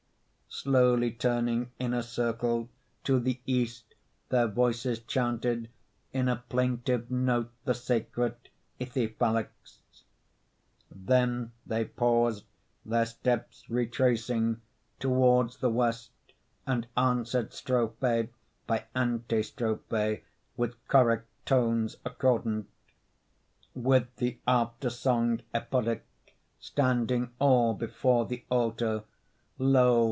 Slowly turning in a circle To the east, their voices chanted In a plaintive note the sacred Ithyphallics; Then they paused, their steps retracing Toward the west, and answered strophe By antistrophe with choric Tones accordant; With the aftersong epodic, Standing all before the altar, Lo!